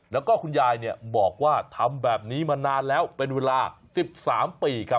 แล้วก็คุณยายบอกว่าทำแบบนี้มานานแล้วเป็นเวลา๑๓ปีครับ